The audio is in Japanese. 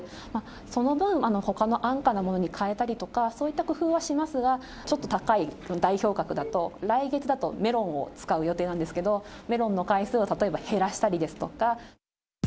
その分、ほかの安価なものに替えたりとか、そういった工夫はしますが、ちょっと高い、代表格だと、来月だとメロンを使う予定なんですけど、メロンの回数を、例えば減らしたりですとか。